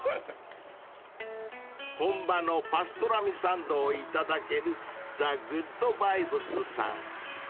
［本場のパストラミサンドを頂けるＴＨＥＧＯＯＤＶＩＢＥＳさん］